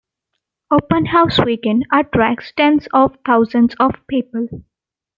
Open House Weekend attracts tens of thousands of people.